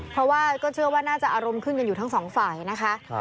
เพราะว่าก็เชื่อว่าน่าจะอารมณ์ขึ้นกันอยู่ทั้งสองฝ่ายนะคะ